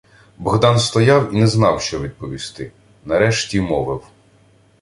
Богдан стояв і не знав, що відповісти. Нарешті мовив: